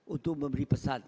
untuk memberi pesan